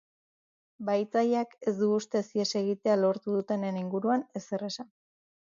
Bahitzaileak ez du ustez ihes egitea lortu dutenen inguruan ezer esan.